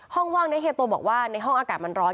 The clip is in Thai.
ว่างนี้เฮียโตบอกว่าในห้องอากาศมันร้อน